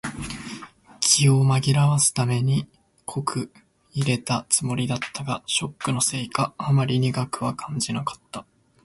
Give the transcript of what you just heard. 気を紛らわすために濃く淹れたつもりだったが、ショックのせいかあまり苦くは感じなかった。